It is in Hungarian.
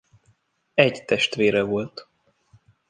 Egy testvére volt.